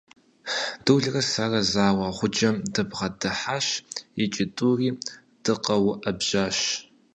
Дулрэ сэрэ зэуэ гъуджэм дыбгъэдыхьащ икӀи тӀури дыкъэуӀэбжьащ.